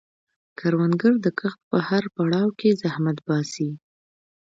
کروندګر د کښت په هر پړاو کې زحمت باسي